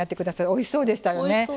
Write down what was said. おいしそうでした。